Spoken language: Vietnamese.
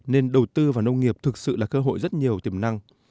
nên đầu tư vào nông nghiệp thực sự là cơ hội rất nhiều tiềm năng